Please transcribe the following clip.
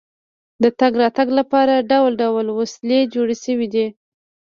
د تګ راتګ لپاره ډول ډول وسیلې جوړې شوې دي.